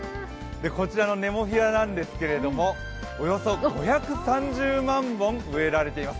こちらのネモフィラなんですけれども、およそ５３０万本植えられています。